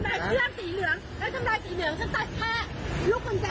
แล้วทำรายสีเหลืองก็ตั้งแค่ลูกกุญแจเนี่ยครับ